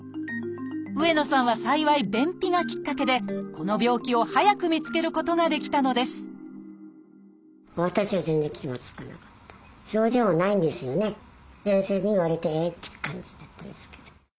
上野さんは幸い便秘がきっかけでこの病気を早く見つけることができたのです先生に言われてえ！っていう感じだったですけど。